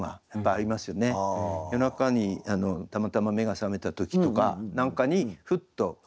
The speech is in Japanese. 夜中にたまたま目が覚めた時とかなんかにふっと。